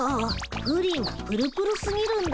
プリンプルプルすぎるんだ。